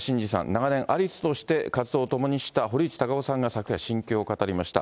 長年、アリスとして活動を共にした堀内孝雄さんが昨夜、心境を語りました。